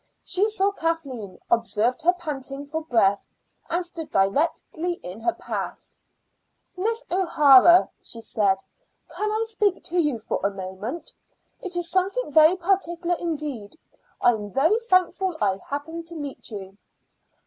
She saw Kathleen, observed her panting for breath, and stood directly in her path. "Miss O'Hara," she said, "can I speak to you for a moment? It is something very particular indeed. I am very thankful I happened to meet you."